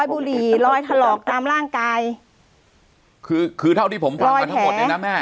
บุหรี่รอยถลอกตามร่างกายคือคือเท่าที่ผมฟังมาทั้งหมดเนี่ยนะแม่